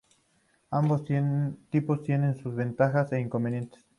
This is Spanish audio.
Ambos tipos tienen sus ventajas e inconvenientes.